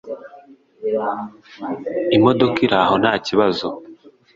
imodoka iraho ntakibazo,